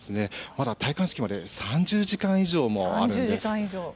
まだ戴冠式まで３０時間以上もあるんです。